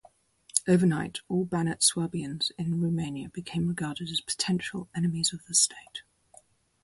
Overnight, all Banat Swabians in Romania became regarded as potential enemies of the state.